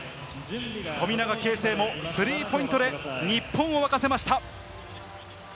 富永啓生もスリーポイントで日本を沸かせました。